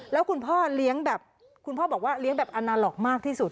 แล้วคุณพ่อเลี้ยงแบบคุณพ่อบอกว่าเลี้ยงแบบอาณาหลอกมากที่สุด